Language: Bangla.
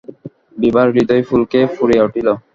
বিভার হৃদয় পুলকে পূরিয়া উঠিল।